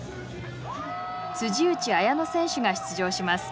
内彩野選手が出場します。